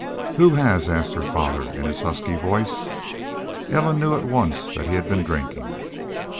"Who has?" asked her father, in his husky voice. Ellen knew at once that he had been drinking.